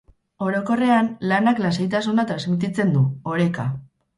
Orokorrean, lanak lasaitasuna transmititzen du, oreka.